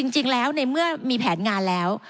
จริงแล้วในเมื่อมีแผนงานแล้ว